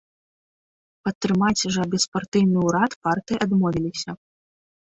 Падтрымаць жа беспартыйны ўрад партыі адмовіліся.